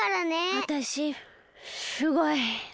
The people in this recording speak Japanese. わたしすごい。